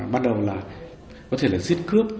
bắt đầu là có thể là giết cướp